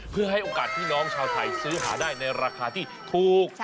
เพื่อให้โอกาสพี่น้องชาวไทยซื้อหาได้ในราคาที่ถูก